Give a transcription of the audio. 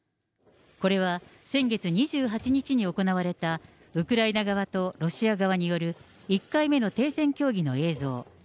これは先月２８日に行われた、ウクライナ側とロシア側による１回目の停戦協議の映像。